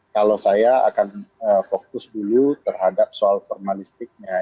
kalau saya akan fokus dulu terhadap soal formalistiknya